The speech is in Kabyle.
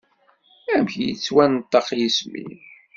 Amek yettwanṭaq yisem-im?